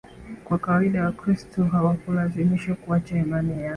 Kwa kawaida Wakristo hawakulazimishwa kuacha imani yao